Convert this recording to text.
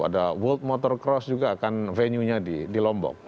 ada world water cross juga akan venue nya di lombok